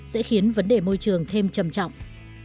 sẽ khiến vấn đề môi trường thêm trầm trọng